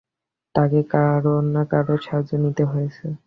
তাঁকে কারও-না-কারওর সাহায্য নিতে হয়েছে।